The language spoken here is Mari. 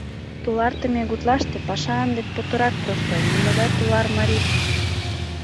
Тулартыме гутлаште паша ынде путырак простой, нимогай тулар марий ок кӱл.